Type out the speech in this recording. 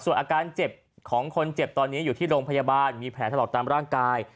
ส่วนอาการเจ็บของคนเจ็บตอนนี้อยู่ที่โรงพยาบาลมีแผลถลอกตามร่างกาย